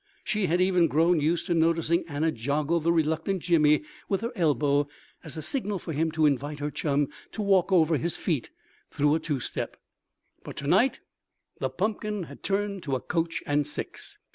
She had even grown used to noticing Anna joggle the reluctant Jimmy with her elbow as a signal for him to invite her chum to walk over his feet through a two step. But to night the pumpkin had turned to a coach and six.